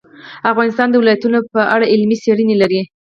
افغانستان د ولایتونو په اړه علمي څېړنې لري.